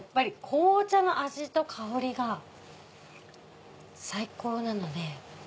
紅茶の味と香りが最高なので。